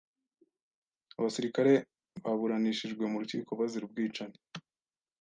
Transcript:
Abasirikare baburanishijwe mu rukiko bazira ubwicanyi.